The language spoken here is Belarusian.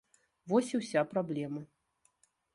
Вось і ўся праблема!